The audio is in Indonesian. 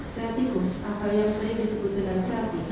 satikus apa yang sering disebut dengan sati